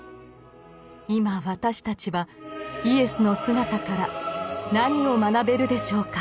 今私たちはイエスの姿から何を学べるでしょうか。